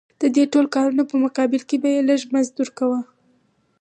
د دې ټول کار په مقابل کې به یې لږ مزد ورکاوه